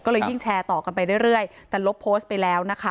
ก็เลยยิ่งแชร์ต่อกันไปเรื่อยแต่ลบโพสต์ไปแล้วนะคะ